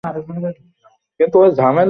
বেশ, ভার্জিলের তরে।